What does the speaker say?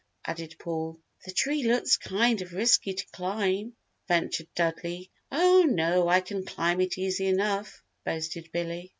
added Paul. "The tree looks kind of risky to climb," ventured Dudley. "Oh, no, I can climb it easy enough," boasted Billy.